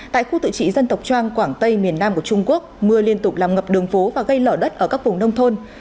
tại khu tự trị dân tộc trang quảng tây miền nam của trung quốc mưa liên tục làm ngập đường phố và gây lở đất ở các vùng nông thôn